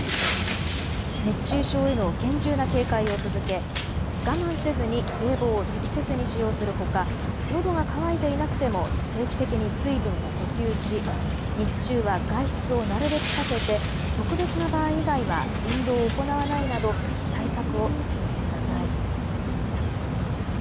熱中症への厳重な警戒を続け我慢せずに冷房を適切に使用するほか、のどが渇いていなくても定期的に水分を補給し日中は外出をなるべく避けて特別な場合以外は運動を行わないなど対策を徹底してください。